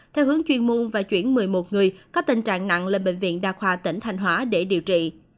theo hướng chuyên môn và chuyển một mươi một người có tình trạng nặng lên bệnh viện đa khoa tỉnh thành hóa để điều trị